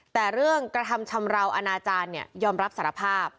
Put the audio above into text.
แต่เรื่องกระทำชำราวอนาจารย์ยอมรับสารภาพ